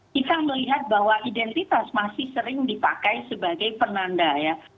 kita melihat bahwa identitas masih sering dipakai sebagai penanda ya